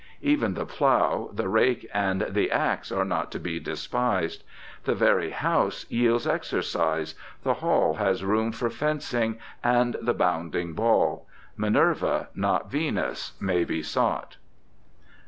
Even the plough, the rake, and the axe are not to be despised. The very house yields exercise, the hall has room for fencing and the bounding ball. Minerva, not Venus, may be sought.